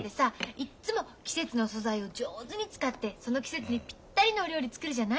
いっつも季節の素材を上手に使ってその季節にピッタリのお料理作るじゃない？